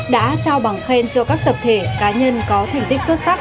đã trao bằng khen cho các tập thể cá nhân có thành tích xuất sắc